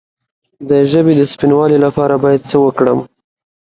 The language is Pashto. د ژبې د سپینوالي لپاره باید څه وکړم؟